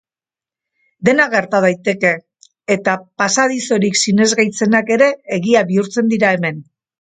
Dena gerta daiteke eta pasadiozorik sinesgaitzenak ere egia bihurtzen dira hemen.